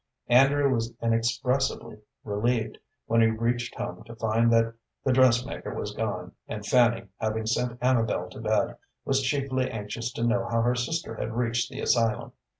Andrew was inexpressibly relieved when he reached home to find that the dressmaker was gone, and Fanny, having sent Amabel to bed, was chiefly anxious to know how her sister had reached the asylum.